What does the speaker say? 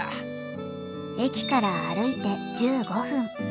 駅から歩いて１５分。